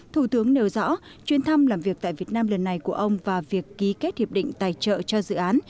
thủ tướng nêu rõ chuyên thăm làm việc tại việt nam lần này của ông và việc ký kết hiệp định tài trợ cho dự án